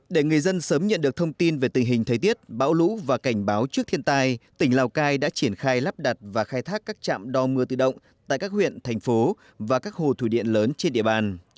để người dân sớm nhận được thông tin về tình hình thời tiết bão lũ và cảnh báo trước thiên tai tỉnh lào cai đã triển khai lắp đặt và khai thác các trạm đo mưa tự động tại các huyện thành phố và các hồ thủy điện lớn trên địa bàn